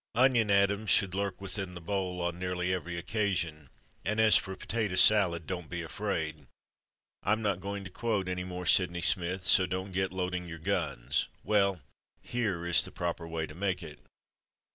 "Onion atoms" should "lurk within the bowl," on nearly every occasion, and as for a potato salad don't be afraid, I'm not going to quote any more Sydney Smith, so don't get loading your guns well, here is the proper way to make it.